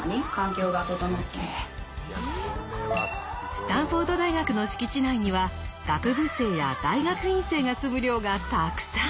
スタンフォード大学の敷地内には学部生や大学院生が住む寮がたくさん。